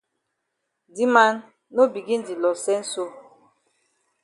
Di man, no begin di loss sense so.